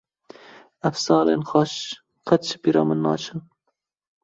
Ew salên xweş qet ji bîra min naçin.